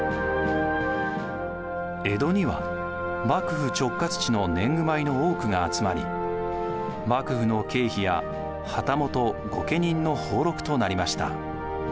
江戸には幕府直轄地の年貢米の多くが集まり幕府の経費や旗本・御家人の俸禄となりました。